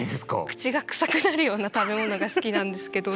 口が臭くなるような食べ物が好きなんですけど。